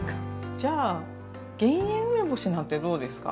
じゃあ「減塩梅干し」なんてどうですか。